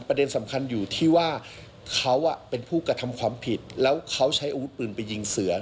ประเด็นสำคัญอยู่ที่ว่าเขาเป็นผู้กระทำความผิดแล้วเขาใช้อาวุธปืนไปยิงเสือ